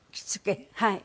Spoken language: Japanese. はい。